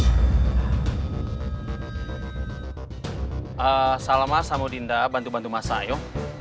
eh salma sama dinda bantu bantu mas ayo